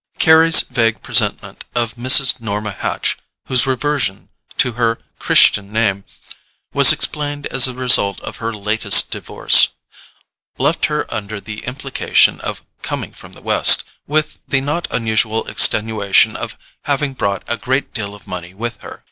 Carry's vague presentment of Mrs. Norma Hatch (whose reversion to her Christian name was explained as the result of her latest divorce), left her under the implication of coming "from the West," with the not unusual extenuation of having brought a great deal of money with her.